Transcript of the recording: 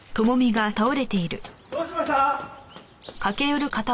どうしました？